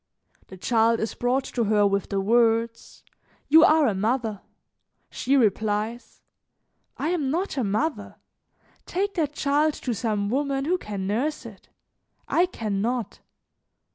The child is brought to her with the words: 'You are a mother.' She replies: 'I am not a mother; take that child to some woman who can nurse it. I can not.'